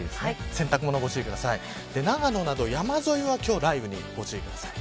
洗濯物、ご注意ください。